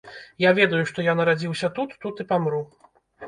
Я ведаю, што я нарадзіўся тут, тут і памру.